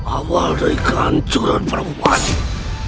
awal dari kehancuran perubahan